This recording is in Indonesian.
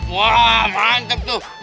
wah mantep tuh